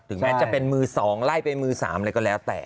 แม้จะเป็นมือ๒ไล่ไปมือ๓อะไรก็แล้วแต่